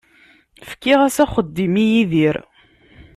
Fkiɣ-as axeddim i Yidir.